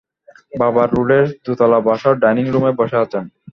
বাবর রোডের দোতলা বাসার ডাইনিং রুমে বসে আছেন।